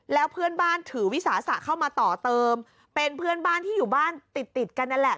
แล้วเพื่อนบ้านถือวิสาสะเข้ามาต่อเติมเป็นเพื่อนบ้านที่อยู่บ้านติดติดกันนั่นแหละ